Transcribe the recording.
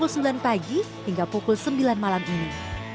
pukul sembilan pagi hingga pukul sembilan malam ini